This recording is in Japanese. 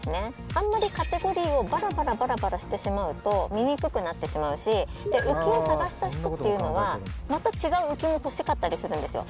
あんまりカテゴリをばらばらばらばらしてしまうと、見にくくなってしまうし、浮きを探した人っていうのは、また違う浮きも欲しかったりするんですよ。